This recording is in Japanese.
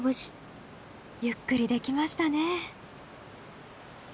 ゆっくりできましたね。